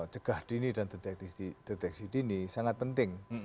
cegah dini dan deteksi dini sangat penting